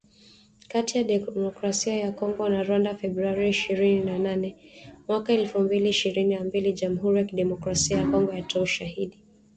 kati ya Demokrasia ya Kongo na Rwanda Februari ishirini na nane mwaka elfu mbili ishirini na mbili jamuhuri ya kidemokrasia ya Kongo yatoa ushahidi